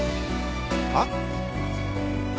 はっ？